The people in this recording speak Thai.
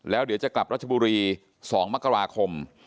แล้วเดี๋ยวจะกลับรัชบุรี๒มกราคม